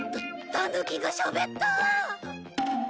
タタヌキがしゃべった！